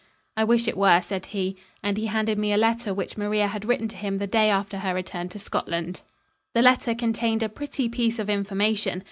"I wish it were," said he, and he handed me a letter which Maria had written to him the day after her return to Scotland. The letter contained a pretty piece of information.